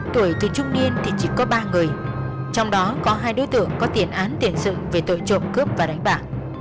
tuổi từ trung niên thì chỉ có ba người trong đó có hai đối tượng có tiền án tiền sự về tội trộm cướp và đánh bạc